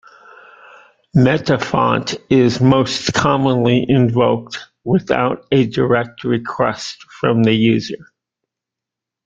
Metafont is most commonly invoked without a direct request from the user.